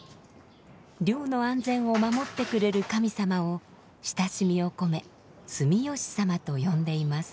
漁の安全を守ってくれる神様を親しみを込め住吉様と呼んでいます。